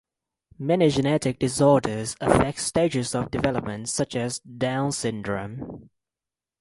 Many genetic disorders affect stages of development such as Down syndrome.